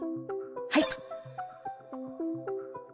はい。